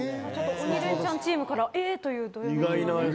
「鬼レンチャン」チームからえー！というどよめきが。